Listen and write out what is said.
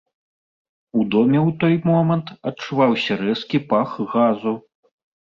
У доме ў той момант адчуваўся рэзкі пах газу.